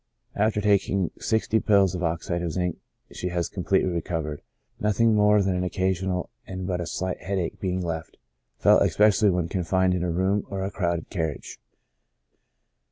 After taking sixty pills of oxide of zinc she had completely recovered, nothing more than an occasional and but a slight headache being left, felt especially when confined in a room or a crowded car riage.